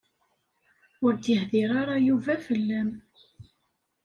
Ur d-yehdir ara Yuba fell-am.